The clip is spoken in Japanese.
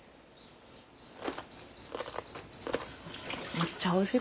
めっちゃおいしい！